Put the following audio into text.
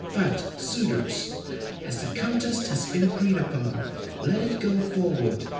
But, suitors, as the contest has been agreed upon, let it go forward.